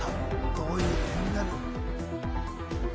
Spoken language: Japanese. どういう点になる？